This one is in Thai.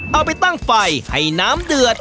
เอาไปตั้งไฟให้น้ำเดือด